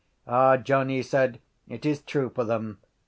—Ah, John, he said. It is true for them.